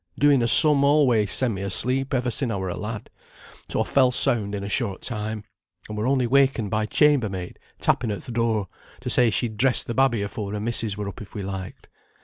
Doing a sum alway sent me asleep ever sin' I were a lad; so I fell sound in a short time, and were only wakened by chambermaid tapping at th' door, to say she'd dress the babby afore her missis were up if we liked.